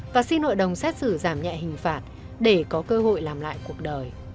và xin hội đồng xét xử giảm nhẹ hình phạt để có cơ hội làm lại cuộc đời